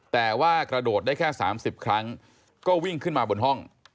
แต่ว่ากระโดดได้แค่๓๐ครั้งก็วิ่งขึ้นมาบนห้อง